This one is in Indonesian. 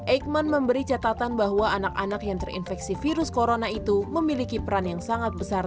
eijkman memberi catatan bahwa anak anak yang terinfeksi virus corona itu memiliki peran yang sangat besar